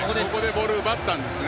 ボール奪ったんですね。